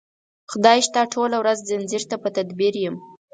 خدای شته ټوله ورځ ځنځیر ته په تدبیر یم